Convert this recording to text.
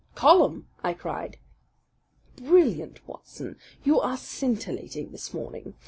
"Column!" I cried. "Brilliant, Watson. You are scintillating this morning.